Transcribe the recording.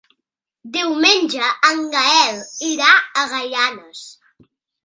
Diumenge en Gaël irà a Gaianes.